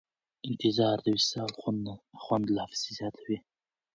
انتظار د وصال خوند لا پسې زیاتوي.